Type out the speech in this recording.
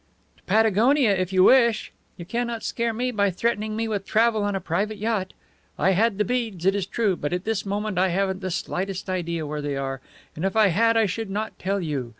"To Patagonia if you wish! You cannot scare me by threatening me with travel on a private yacht. I had the beads, it is true; but at this moment I haven't the slightest idea where they are; and if I had I should not tell you.